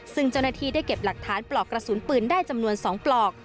ซึ่งเจ้าหน้าที่ได้เก็บหลักฐานปลอกกระสุนปืนได้จำนวน๒ปลอก